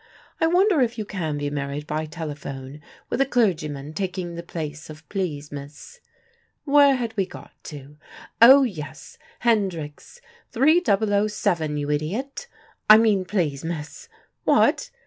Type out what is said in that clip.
I wonder if you can be married by telephone with a clergyman taking the place of 'please, miss.' Where had we got to? Oh, yes, Hendrick's: three double o seven, you idiot. I mean, please, miss. What?